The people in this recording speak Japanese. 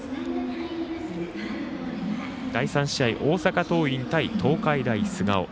第３試合、大阪桐蔭対東海大菅生。